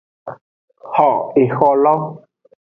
Xo eholo.